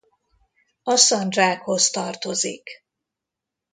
A Szandzsákhoz tartozik.